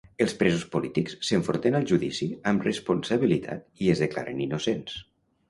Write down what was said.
Els presos polítics s'enfronten al judici amb responsabilitat i es declaren innocents.